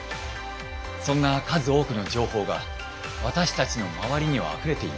そんな数多くの情報が私たちの周りにはあふれています。